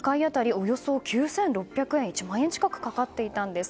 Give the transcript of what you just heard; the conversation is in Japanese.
およそ９６００円１万円近くかかっていたんです。